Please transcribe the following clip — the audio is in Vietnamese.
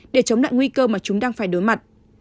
để chống lại nguy cơ mà chúng đang phải đối mặt